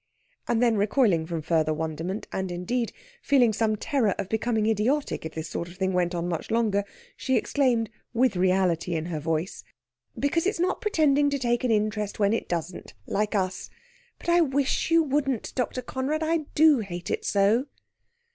And then, recoiling from further wonderment, and, indeed, feeling some terror of becoming idiotic if this sort of thing went on much longer, she exclaimed, with reality in her voice: "Because it's not pretending to take an interest when it doesn't, like us. But I wish you wouldn't, Dr. Conrad; I do hate it so."